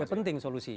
yang penting solusi